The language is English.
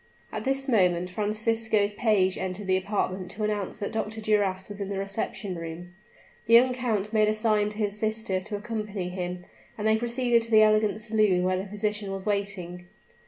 At this moment Francisco's page entered the apartment to announce that Dr. Duras was in the reception room. The young count made a sign to his sister to accompany him; and they proceeded to the elegant saloon where the physician was waiting.